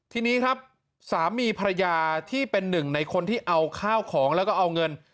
ทีนี้ครับสามีภรรยาที่เป็นหนึ่งในคนที่เอาข้าวของแล้วก็เอาเงิน